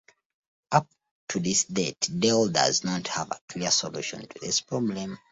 Up to this date Dell does not have a clear solution to this problem.